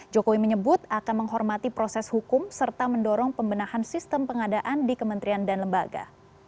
jokowi menyebut akan menghormati proses hukum serta mendorong pembenahan sistem pengadaan di kementerian dan lembaga